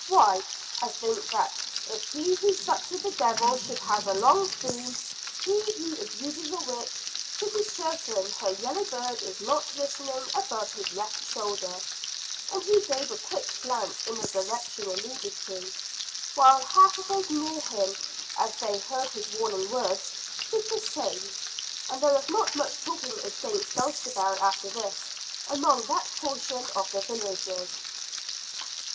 "Why I think that if he who sups with the devil should have a long spoon, he who abuses a witch should be certain her yellow bird is not listening above his left shoulder," and he gave a quick glance in the direction alluded to, while half of those near him, as they heard his warning words, did the same. And there was not much talking against Dulcibel after this, among that portion of the villagers.